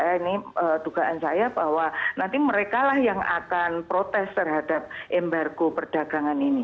ini dugaan saya bahwa nanti mereka lah yang akan protes terhadap embargo perdagangan ini